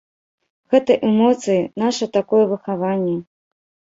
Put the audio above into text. Гэта эмоцыі, наша такое выхаванне.